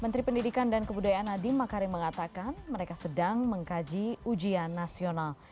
menteri pendidikan dan kebudayaan nadiem makarim mengatakan mereka sedang mengkaji ujian nasional